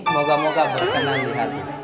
moga moga berkenan di hati